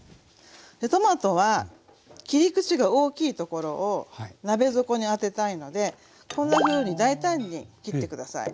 でトマトは切り口が大きいところを鍋底に当てたいのでこんなふうに大胆に切って下さい。